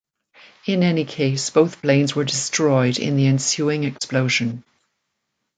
In any case, both planes were destroyed in the ensuing explosion.